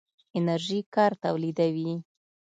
انرژي کار تولیدوي.